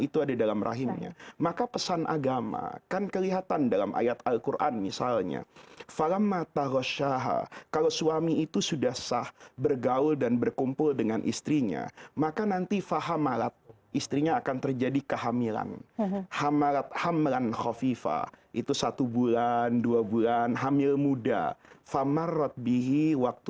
tapi sampai di mana